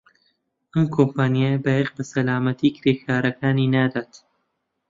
ئەم کۆمپانیایە بایەخ بە سەلامەتیی کرێکارەکانی نادات.